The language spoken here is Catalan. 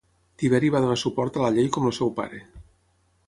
Tiberi va donar suport a la llei com el seu pare.